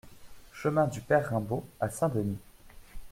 Chemin du Pere Raimbault à Saint-Denis